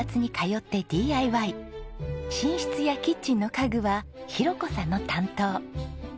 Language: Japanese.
寝室やキッチンの家具は浩子さんの担当。